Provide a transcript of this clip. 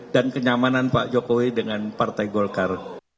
dan kenyamanan pak jokowi dengan partai golkar